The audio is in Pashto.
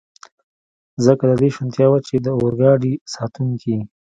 ځکه د دې شونتیا وه، چې د اورګاډي ساتونکي.